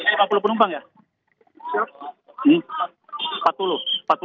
lima puluh penumpang ya